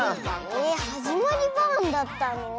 えっ「はじまりバーン」だったの？